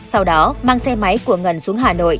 sau đó mang xe máy của ngân xuống hà nội